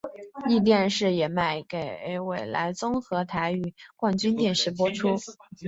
壹电视也卖给纬来综合台与冠军电视播出。